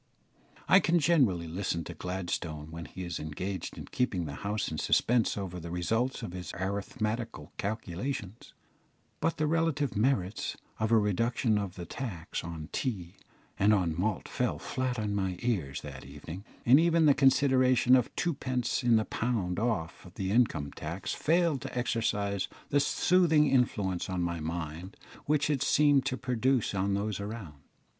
I can generally listen to Gladstone when he is engaged in keeping the House in suspense over the results of his arithmetical calculations; but the relative merits of a reduction of the tax on tea and on malt fell flat on my ears that evening, and even the consideration of twopence in the pound off the income tax failed to exercise that soothing influence on my mind which it seemed to produce on those around.